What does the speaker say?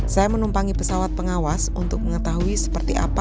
saya menumpangi pesawat pengawas untuk mengetahui seperti apa